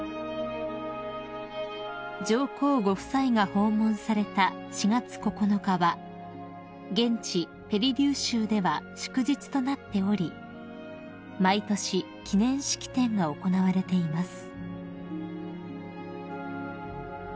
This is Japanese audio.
［上皇ご夫妻が訪問された４月９日は現地ペリリュー州では祝日となっており毎年記念式典が行われています］